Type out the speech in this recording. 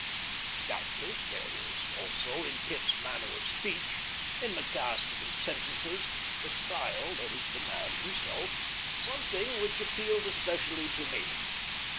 Doubtless there also was in Pitt's manner of speech, in the cast of his sentences, the style that is the man himself, something which appealed especially to me.